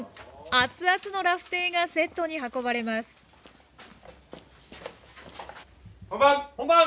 熱々のラフテーがセットに運ばれます本番！